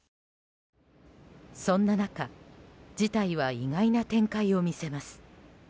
そんな中事態は意外な展開を見せます。